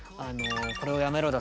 「これを辞めろだ？